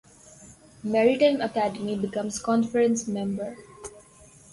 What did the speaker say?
Maritime Academy becomes conference member.